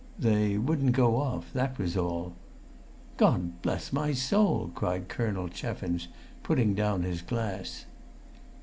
"They wouldn't go off. That was all." "God bless my soul!" cried Colonel Cheffins, putting down his glass.